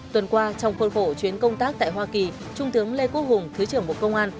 tuần qua trong khuôn khổ chuyến công tác tại hoa kỳ trung tướng lê quốc hùng thứ trưởng bộ công an